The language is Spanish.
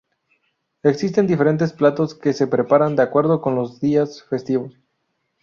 Existen diferentes platos que se preparan de acuerdo con los días festivos.